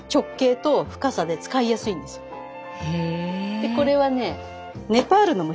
でこれはね